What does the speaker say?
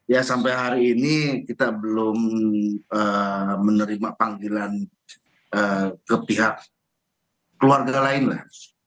ya sampai hari ini kita belum menerima panggilan ke pihak keluarga lain lah